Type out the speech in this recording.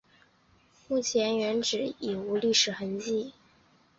目前原址已无历史痕迹。